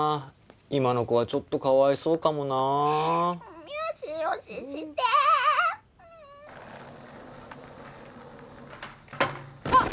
今の子はちょっとかわいそうかもなよしよししてあっ！